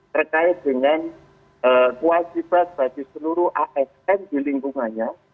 terkait dengan kewajiban bagi seluruh asn di lingkungannya